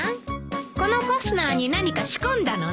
このファスナーに何か仕込んだのね。